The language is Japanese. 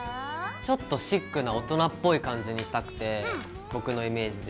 ちょっとシックな大人っぽい感じにしたくて僕のイメージで。